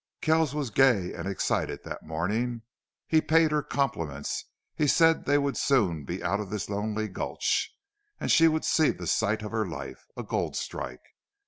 Kells was gay and excited that morning. He paid her compliments. He said they would soon be out of this lonely gulch and she would see the sight of her life a gold strike.